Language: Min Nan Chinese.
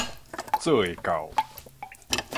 做會到